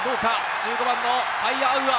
１５番のパイアアウア！